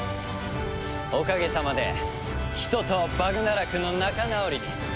おかげさまで人とバグナラクの仲直りに一歩前進。